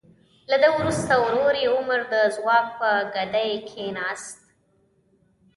له ده وروسته ورور یې عمر د ځواک په ګدۍ کیناست.